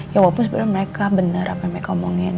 ya wapun sebenernya mereka bener apa yang mereka omongin